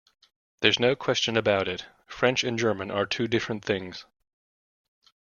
There's no question about it, French and German are two different things.